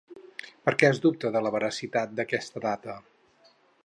Per què es dubta de la veracitat d'aquesta data?